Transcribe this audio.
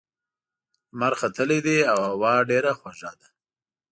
لمر ختلی دی او هوا ډېره خوږه ده.